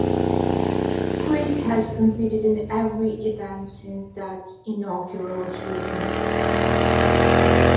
Chris has competed in every event since that inaugural season.